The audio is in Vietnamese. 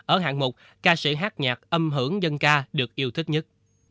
ở hạng mục ca sĩ hát nhạc âm hưởng dân ca được yêu thích nhất